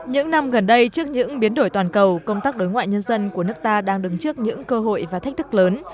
những năm gần đây trước những biến đổi toàn cầu công tác đối ngoại nhân dân của nước ta đang đứng trước những cơ hội và thách thức lớn